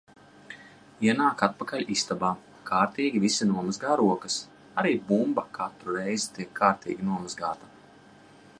Ienāk atpakaļ istabā, kārtīgi visi nomazgā rokas. Arī bumba katru reizi tiek kārtīgi nomazgāta.